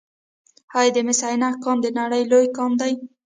آیا د مس عینک کان د نړۍ لوی کان دی؟